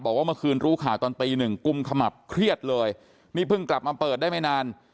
บอกว่าเมื่อคืนรู้ข่าวตอนตีหนึ่งกุมขมับเครียดเลยนี่เพิ่งกลับมาเปิดได้ไม่นาน